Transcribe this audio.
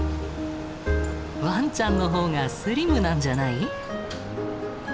ワンちゃんの方がスリムなんじゃない？